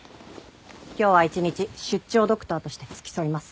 今日は一日出張ドクターとして付き添います。